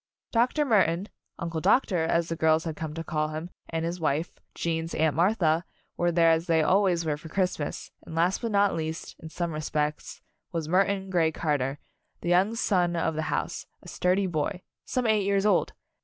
Dr. Murton Uncle Doctor, as the girls had come to call him and his wife, Gene's Aunt Martha, were there as they always were for Christmas, and last but not least, in some respects, was Murton Grey Car ter, the young son of the house, a sturdy boy some eight years old.